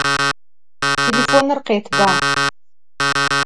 Têlêfonır khêtba!